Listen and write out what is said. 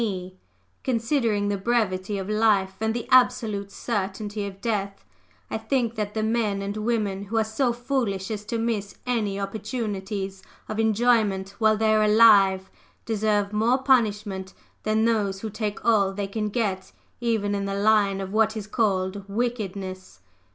_ Considering the brevity of life and the absolute certainty of death, I think that the men and women who are so foolish as to miss any opportunities of enjoyment while they are alive deserve more punishment than those who take all they can get, even in the line of what is called wickedness.